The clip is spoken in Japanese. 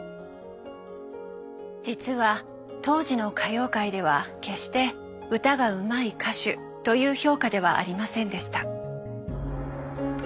実は当時の歌謡界では決して歌がうまい歌手という評価ではありませんでした。